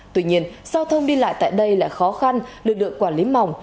tuy nhiên sao thông đi lại tại đây lại khó khăn lực lượng quản lý mỏng